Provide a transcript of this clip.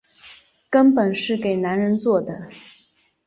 根本是给男人做的